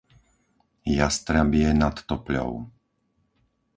Jastrabie nad Topľou